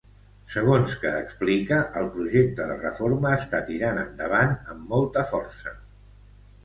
Segons que explica, el projecte de reforma està tirant endavant amb molta força.